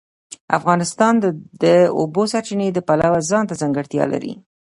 افغانستان د د اوبو سرچینې د پلوه ځانته ځانګړتیا لري.